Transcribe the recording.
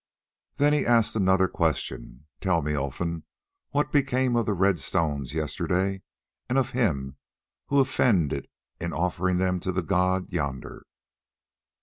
Then he asked another question. "Tell me, Olfan, what became of the red stones yesterday, and of him who offended in offering them to the god yonder?"